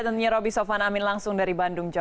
dan ini roby sofan amin langsung dari bandung jawa